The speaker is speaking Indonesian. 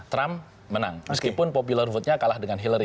trump menang meskipun popular vote nya kalah dengan hillary